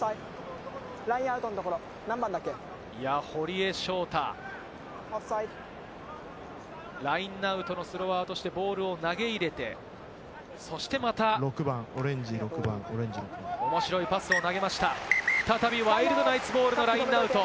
堀江翔太、ラインアウトのスロワーとしてボールを投げ入れて、そしてまた面白いパスを投げました、再びワイルドナイツボールのラインアウト。